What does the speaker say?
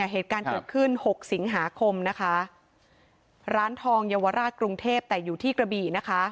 เหตุการณ์เกิดขึ้นหกสิงหาคมนะคะร้านทองเยาวราชกรุงเทพแต่อยู่ที่กระบี่นะคะ